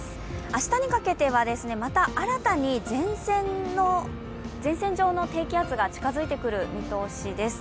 明日にかけてはまた新たに前線上の低気圧が近づいてくる見通しです。